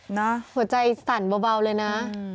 หัวใจสั่นเบาเลยนะ